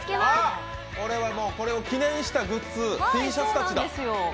これを記念したグッズ、Ｔシャツたちだ。